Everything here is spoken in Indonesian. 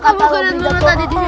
kamu kalian beneran ada di sini